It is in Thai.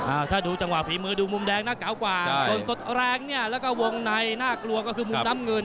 อ่าถ้าดูจังหวะฝีมือดูมุมแดงน่าเก๋ากว่าส่วนสดแรงเนี่ยแล้วก็วงในน่ากลัวก็คือมุมน้ำเงิน